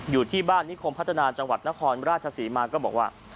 อยู่ที่บ้านนิคมพัฒนาจังหวัดนครราชศรีมาก็บอกว่า